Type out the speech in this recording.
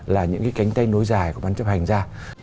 là những cái cánh tay nối dài của văn chấp hành ra